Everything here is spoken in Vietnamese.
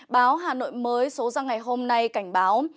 báo hà nội mới số ra ngày hôm nay cảnh báo